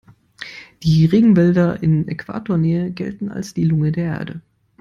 Die Regenwälder in Äquatornähe gelten als die Lunge der Erde.